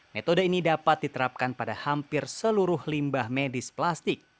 metode ini dapat diterapkan pada hampir seluruh limbah medis plastik